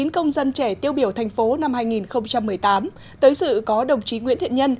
chín công dân trẻ tiêu biểu thành phố năm hai nghìn một mươi tám tới sự có đồng chí nguyễn thiện nhân